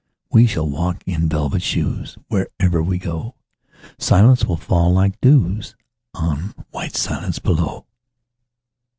We shall walk in velvet shoes: Wherever we go Silence will fall like dews On white silence below.